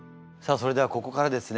それではここからですね